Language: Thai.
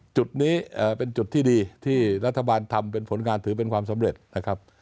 จุดนี้เป็นจุดที่ดีที่รัฐบาลทำเป็นผลงานถือเป็นความสำเร็จนะครับ